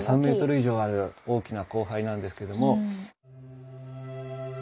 ３ｍ以上ある大きな光背なんですけども。